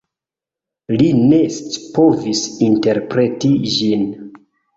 Li ne scipovis interpreti ĝin.